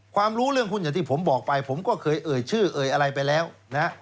รู้เรื่องหุ้นอย่างที่ผมบอกไปผมก็เคยเอ่ยชื่อเอ่ยอะไรไปแล้วนะฮะ